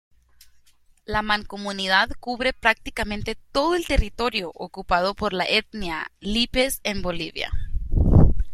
La mancomunidad cubre prácticamente todo el territorio ocupado por la etnia Lípez en Bolivia.